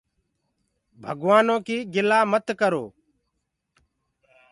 ڀگوآنو ڪيٚ گِلآ مت ڪرو۔